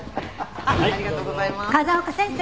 風丘先生！